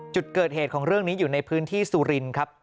จุดเกิดเหตุของเรื่องนี้อยู่ในพื้นที่สุรินครับ